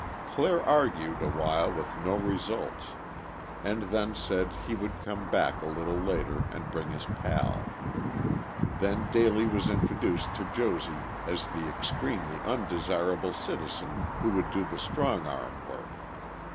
Clare argued awhile with no results, and then said he would come back a little later and bring his pal. Then Daly was introduced to Josie as the extremely undesirable citizen who would do the strong arm work.